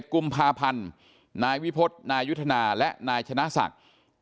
กุมภาพันธ์นายวิพฤษนายุทธนาและนายชนะศักดิ์